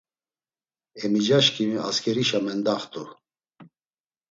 Emicaşǩimi asǩerişa mendaxt̆u.